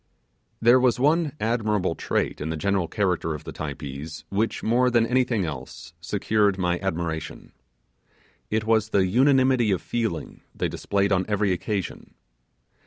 There was one admirable trait in the general character of the Typees which, more than anything else, secured my admiration: it was the unanimity of feeling they displayed on every occasion.